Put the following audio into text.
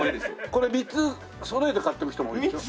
これ３つそろえて買っていく人も多いんでしょ？